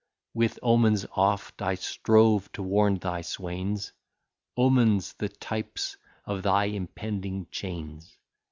With omens oft I strove to warn thy swains, Omens, the types of thy impending chains.